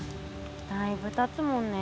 だいぶたつもんね。